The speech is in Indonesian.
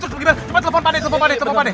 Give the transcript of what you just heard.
cuma telepon pak deh telepon pak deh telepon pak deh